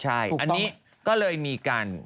ใช่อันนี้ก็เลยมีการ